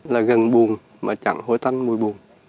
là gần buồn mà chẳng hối tanh mùi buồn